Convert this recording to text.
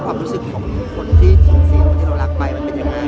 ความรู้สึกของคนที่สูญเสียคนที่เรารักไปมันเป็นยังไง